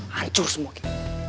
hancur semua ki